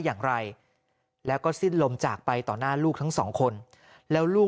อย่างไรแล้วก็สิ้นลมจากไปต่อหน้าลูกทั้งสองคนแล้วลูก